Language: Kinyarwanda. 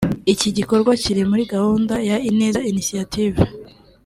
Iki gikorwa kiri muri gahunda ya Ineza Initiative